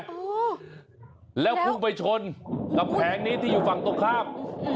โอ้โหแล้วพุ่งไปชนกับแผงนี้ที่อยู่ฝั่งตรงข้าม